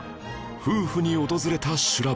夫婦に訪れた修羅場